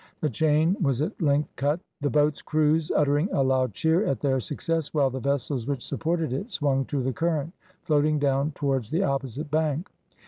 The chain was at length cut; the boats' crews uttering a loud cheer at their success, while the vessels which supported it swung to the current, floating down towards the opposite bank.